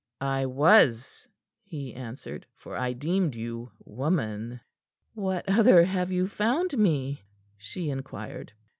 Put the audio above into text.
"I was," he answered, "for I deemed you woman." "What other have you found me?" she inquired.